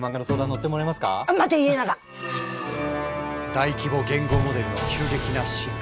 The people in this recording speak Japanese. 大規模言語モデルの急激な進化。